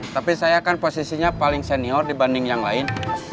tapi saya kan posisinya paling senior dibanding yang lain